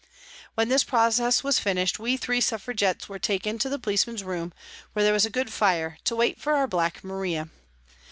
When this process was finished, we three Suffra gettes were taken to the policemen's room, where there was a good fire, to wait for our Black Maria.